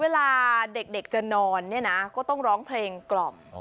เวลาเด็กจะนอนเนี่ยนะก็ต้องร้องเพลงกล่อม